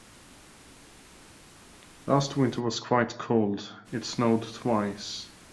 Last winter was quite cold, it snowed twice.